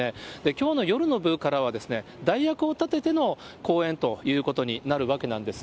きょうの夜の部からは代役を立てての公演ということになるわけなんです。